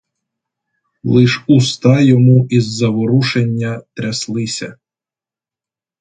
Лиш уста йому із заворушення тряслися.